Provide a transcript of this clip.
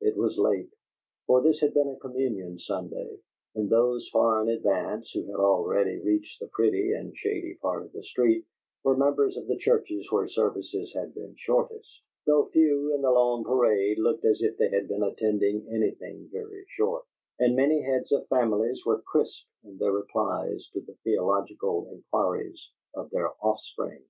It was late; for this had been a communion Sunday, and those far in advance, who had already reached the pretty and shady part of the street, were members of the churches where services had been shortest; though few in the long parade looked as if they had been attending anything very short, and many heads of families were crisp in their replies to the theological inquiries of their offspring.